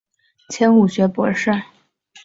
迁武学博士。